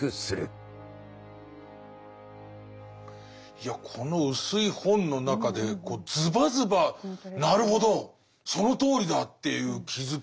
いやこの薄い本の中でズバズバなるほどそのとおりだっていう気付きが多いですね。